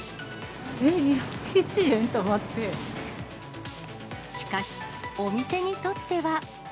えっ、しかし、お店にとっては。